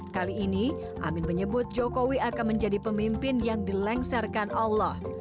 kali ini amin menyebut jokowi akan menjadi pemimpin yang dilengsarkan allah